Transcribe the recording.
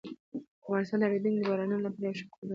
افغانستان د اورېدونکو بارانونو لپاره یو ښه کوربه دی.